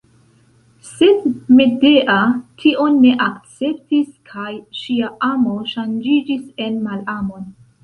Sed Medea tion ne akceptis kaj ŝia amo ŝanĝiĝis en malamon.